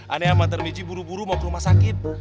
anak anak manta'am ini buru buru mau ke rumah sakit